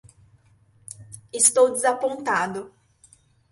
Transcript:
Estou desapontado.